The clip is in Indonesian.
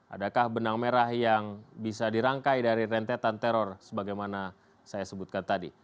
adakah benang merah yang bisa dirangkai dari rentetan teror sebagaimana saya sebutkan tadi